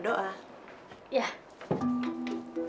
terus kamu harus berhati hati